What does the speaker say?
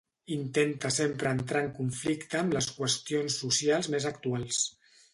Intenta sempre entrar en conflicte amb les qüestions socials més actuals.